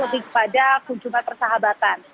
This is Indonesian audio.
lebih kepada kunjungan persahabatan